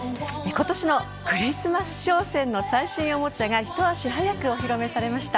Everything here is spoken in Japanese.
今年のクリスマス商戦の最新おもちゃがひと足早くお披露目されました。